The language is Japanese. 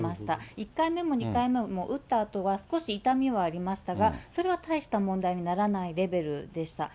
１回目も２回目も、打ったあとは少し痛みはありましたが、それは大した問題にならないレベルでした。